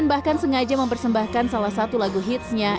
bahkan sengaja mempersembahkan salah satu lagu hitsnya